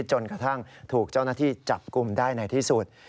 จนกระทั่งถูกเจ้าหน้าที่จับกลุ่มได้ในที่สุด